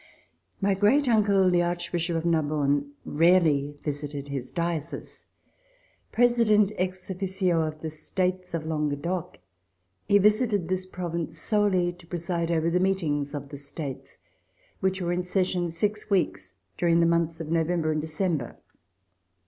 My great uncle, the Archbishop of Narbonne, rarely visited his diocese. President, ex officio, of the States of Languedoc, he visited this province solely to preside over the meetings of the States, which were in session six weeks during the months of November and December.